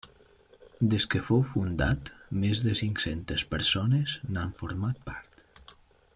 Des que fou fundat, més de cinc-centes persones n'han format part.